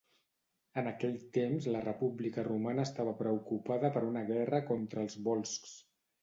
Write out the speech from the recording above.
En aquell temps la República Romana estava preocupada per una guerra contra els Volscs.